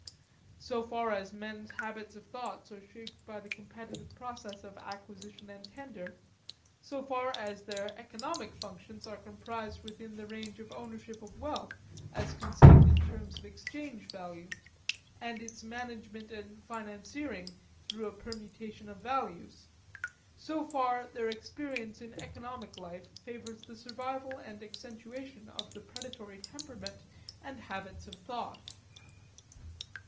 So far as men's habits of thought are shaped by the competitive process of acquisition and tenure; so far as their economic functions are comprised within the range of ownership of wealth as conceived in terms of exchange value, and its management and financiering through a permutation of values; so far their experience in economic life favors the survival and accentuation of the predatory temperament and habits of thought.